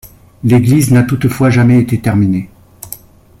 L'église n'a toutefois jamais été terminée.